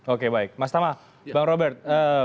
oke baik mas tama bang robert